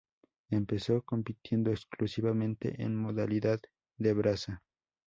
Empezó compitiendo exclusivamente en modalidad de braza.